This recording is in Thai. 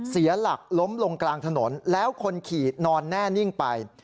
เสียหลักล้มลงกลางถนนแล้วคนขี่นอนแน่นิ่งไป